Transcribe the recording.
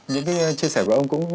những chia sẻ của ông